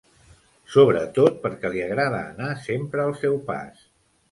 Sobretot perquè li agrada anar sempre al seu pas.